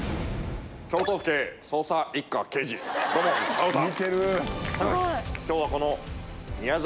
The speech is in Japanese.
京都府警捜査一課刑事土門薫だ。